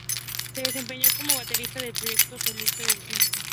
Se desempeñó como baterista del proyecto solista de Vicentico.